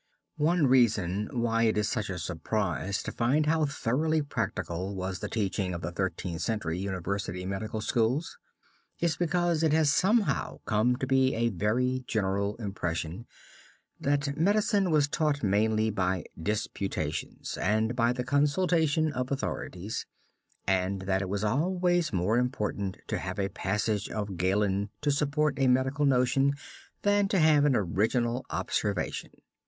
One reason why it is such a surprise to find how thoroughly practical was the teaching of the Thirteenth Century university medical schools, is because it has somehow come to be a very general impression that medicine was taught mainly by disputations, and by the consultation of authorities, and that it was always more important to have a passage of Galen to support a medical notion, than, to have an original observation.